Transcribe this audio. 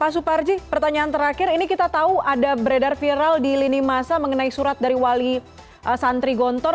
pak suparji pertanyaan terakhir ini kita tahu ada beredar viral di lini masa mengenai surat dari wali santri gontor